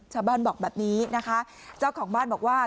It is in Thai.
ชาวบ้านบอกแบบนี้นะคะเจ้าของบ้านบอกว่า